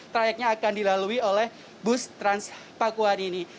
trayeknya akan dilalui oleh bus transpakuan ini